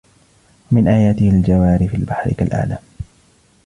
وَمِنْ آيَاتِهِ الْجَوَارِ فِي الْبَحْرِ كَالْأَعْلَامِ